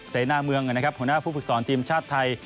ใส่หน้าเมืองนะครับหัวหน้าผู้ฝึกสอนทีมชาติไทย